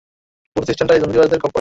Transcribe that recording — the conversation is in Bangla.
পুরো সিস্টেমটাই দূর্নীতিবাজদের খপ্পরে!